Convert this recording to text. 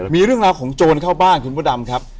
มีเรื่องราวของโจรเข้าบ้านคุณพระดำครับ